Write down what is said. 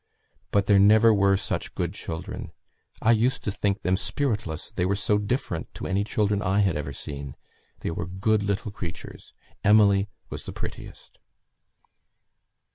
But there never were such good children. I used to think them spiritless, they were so different to any children I had ever seen. They were good little creatures. Emily was the prettiest."